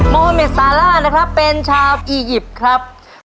โมเมซาล่านะครับเป็นชาวอียิปต์ครับ